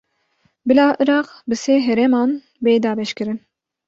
Bila Iraq bi sê herêman bê dabeşkirin